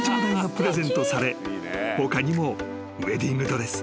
［他にもウエディングドレス］